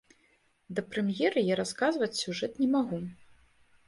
Да прэм'еры я расказваць сюжэт не магу.